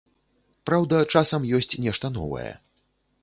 Праўда, часам ёсць нешта новае.